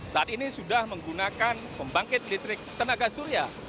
saat ini sudah menggunakan pembangkit listrik tenaga surya